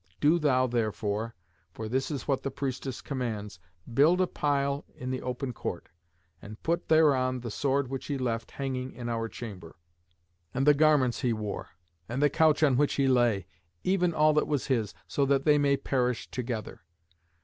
Do thou, therefore for this is what the priestess commands build a pile in the open court, and put thereon the sword which he left hanging in our chamber, and the garments he wore, and the couch on which he lay, even all that was his, so that they may perish together."